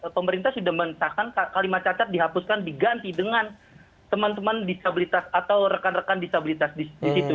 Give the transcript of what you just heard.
pemerintah sudah mensahkan kalimat cacat dihapuskan diganti dengan teman teman disabilitas atau rekan rekan disabilitas di situ